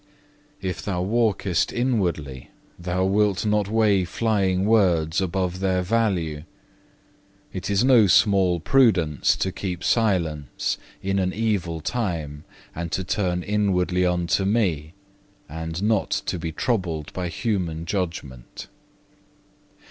If thou walkest inwardly, thou wilt not weigh flying words above their value. It is no small prudence to keep silence in an evil time and to turn inwardly unto Me, and not to be troubled by human judgment.